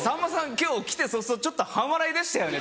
今日来て早々ちょっと半笑いでしたよね